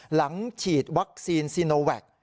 หลังฉีดวัคซีนซีโนแวค